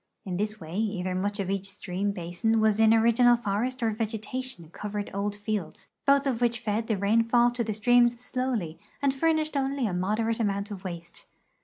In this waj' either much of each stream basin was in original forest or vegetation covered old fields, both of which fed the rainfall to the streams slowl}' and furnished only a moderate amount of waste.